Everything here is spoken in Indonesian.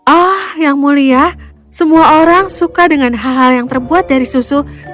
oh yang mulia semua orang suka dengan hal hal yang terbuat dari susu